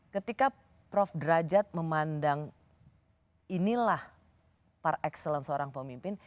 ketika prof derajat memandang inilah para excellence seorang pemimpin